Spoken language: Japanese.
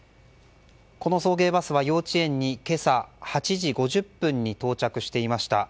この送迎バスは幼稚園に今朝８時５０分に到着していました。